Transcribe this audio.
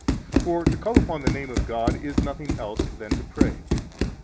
For to call upon the name of God is nothing else than to pray.